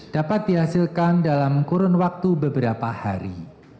dapat dihasilkan dalam kurun waktu beberapa hari